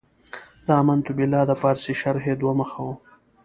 د امنت بالله د پارسي شرحې دوه مخه و.